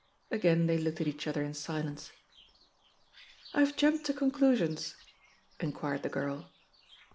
Again they looked at each other in silence. "I've jumped to conclusions?" inquired the girl.